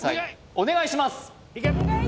お願いします！